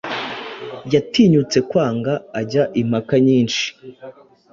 Yatinyutse kwanga ajya impaka nyinshi